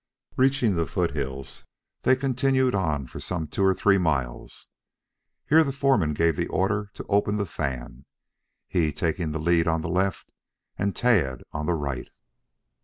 Beaching the foothills, they continued on for some two or three miles. Here the foreman gave the order to open the fan, he taking the lead on the left and Tad on the right.